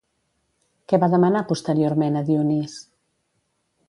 Què va demanar posteriorment a Dionís?